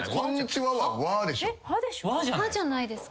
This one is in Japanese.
「は」じゃないですか？